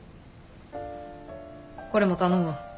これも頼むわ。